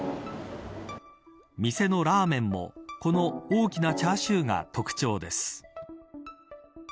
店のラーメンもこの大きなチャーシューが特徴です。